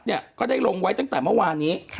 ก็ได้ลงไว้ตั้งแต่เมื่อวานนี้